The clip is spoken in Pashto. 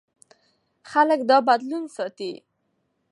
خلک دا بدلون ستایي.